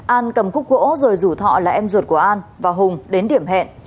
an cầm cúc gỗ rồi rủ thọ là em ruột của an và hùng đến điểm hẹn